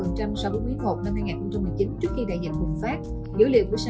hộp năm hai nghìn một mươi chín trước khi đại dịch bùng phát dữ liệu của savin cũng ghi nhận lượng tiêu thuộc bốt khi